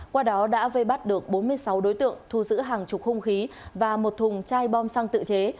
qua đó đã vây bắt được bốn mươi sáu đối tượng thu giữ hàng chục hung khí và một thùng chai bom xăng tự chế